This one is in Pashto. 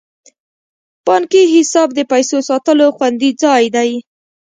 بانکي حساب د پیسو ساتلو خوندي ځای دی.